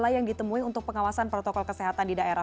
yang ditemui untuk pengawasan protokol kesehatan di daerah